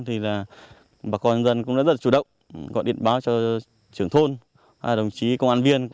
thì là bà con dân cũng rất là chủ động gọi điện báo cho trưởng thôn đồng chí công an viên